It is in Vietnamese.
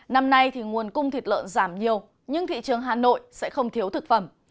năm nay thì nguồn cung thịt lợn giảm nhiều nhưng thị trường hà nội sẽ không thiếu thực phẩm